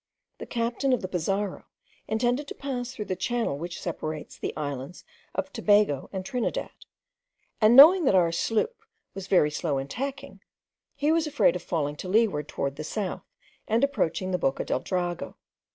The captain of the Pizarro intended to pass through the channel which separates the islands of Tobago and Trinidad; and knowing that our sloop was very slow in tacking, he was afraid of falling to leeward towards the south, and approaching the Boca del Drago.